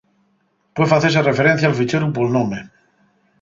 Pue facese referencia al ficheru pol nome.